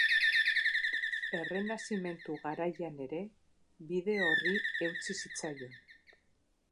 Errenazimentu garaian ere bide horri eutsi zitzaion.